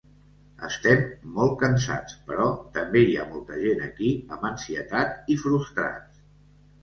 Estem molt cansats, però també hi ha molta gent aquí amb ansietat i frustrats.